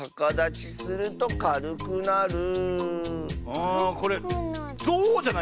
あこれゾウじゃないかな？